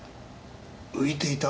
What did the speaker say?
浮いていた？